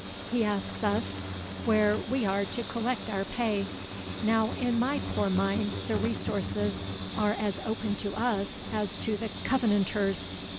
He asks us where we are to collect our pay; now, in my poor mind, the resources are as open to us as to the Covenanters.